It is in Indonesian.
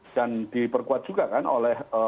dan diperkuat juga kan oleh